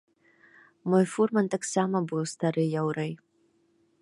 Мой фурман таксама быў стары яўрэй.